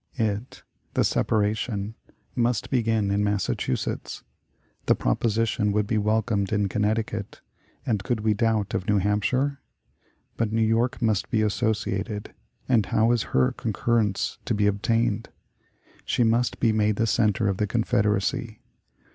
"It [the separation] must begin, in Massachusetts. The proposition would be welcomed in Connecticut; and could we doubt of New Hampshire? But New York must be associated; and how is her concurrence to be obtained? She must be made the center of the Confederacy.